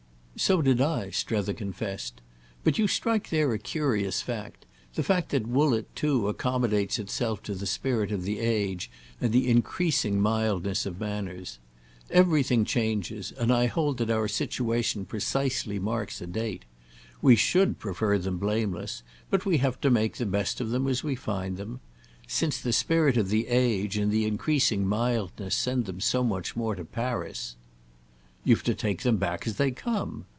"So did I!" Strether confessed. "But you strike there a curious fact—the fact that Woollett too accommodates itself to the spirit of the age and the increasing mildness of manners. Everything changes, and I hold that our situation precisely marks a date. We should prefer them blameless, but we have to make the best of them as we find them. Since the spirit of the age and the increasing mildness send them so much more to Paris—" "You've to take them back as they come.